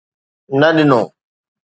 نه ڏنو